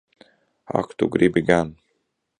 Ak tu gribi gan!